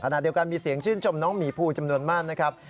ขณะเดียวกันมีเสียงชื่นชมน้องหมีภูจำนวนมากนะครับ